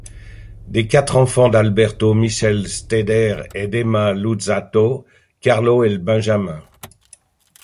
Des quatre enfants d'Alberto Michelstaedter et d'Emma Luzzatto, Carlo est le benjamin.